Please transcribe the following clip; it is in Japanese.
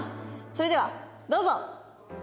それではどうぞ。